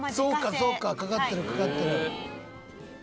かかってるかかってる。